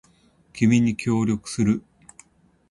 君に協力する